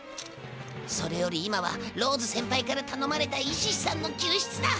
それより今はローズせんぱいからたのまれたイシシさんの救出だ！